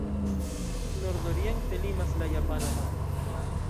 Nordoriente limas la Japana maro.